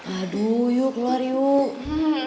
aduh yuk keluar yuk